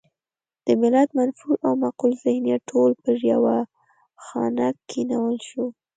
د ملت منفور او مقبول ذهنیت ټول پر يوه خانک کېنول شو.